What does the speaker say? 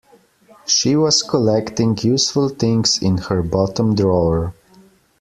She was collecting useful things in her bottom drawer